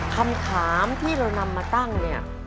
คำถามที่เรานำมาตั้งเนี่ย